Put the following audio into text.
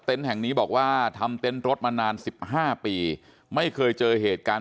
เต้นแห่งนี้บอกว่าทำเต้นรถมานาน๑๕ปีไม่เคยเจอเหตุการณ์